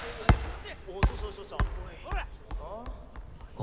あ。